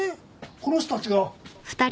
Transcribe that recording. この人たちが。